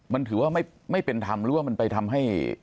มันถือว่าไม่เป็นธรรมหรือว่ามันไปทำให้